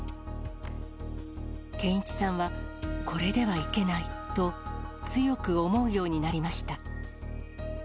健一さんはこれではいけないと、強く思うようになりました。